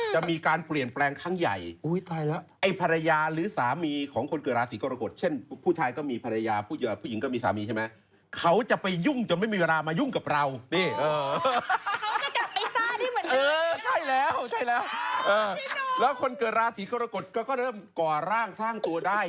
อ๋อใช่แล้วใช่แล้วเออแล้วคนเกิดราศีกรกฎก็เริ่มก่อร่างสร้างตัวได้